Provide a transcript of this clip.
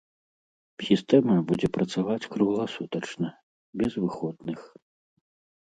Сістэма будзе працаваць кругласутачна, без выходных.